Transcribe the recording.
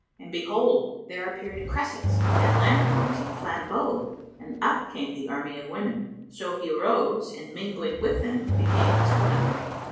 And behold, there appeared cressets and lanthorns and flambeaux and up came the army of women. So he arose and mingling with them, became as one of them.